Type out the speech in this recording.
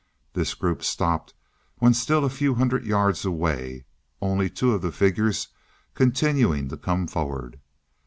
This group stopped when still a few hundred yards away, only two of the figures continuing to come forward.